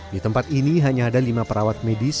di tempat ini hanya ada lima perawat medis